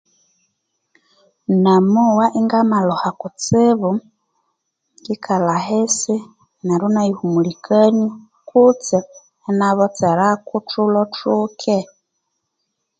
Namowa ingamalhuha kutsibu ngikalha ahisi neryo inayihumulikania kutse inabotsera ko tulho tukee